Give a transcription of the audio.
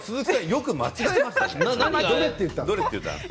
よく間違えましたね。